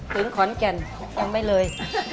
ถึงขอนแก่นยังไม่เลย